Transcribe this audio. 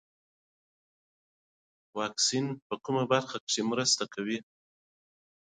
واکسین په برخه کې مرسته کوي.